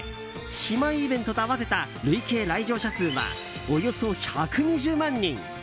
姉妹イベントと合わせた累計来場者数はおよそ１２０万人。